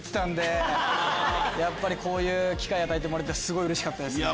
こういう機会を与えてもらえてすごいうれしかったですね。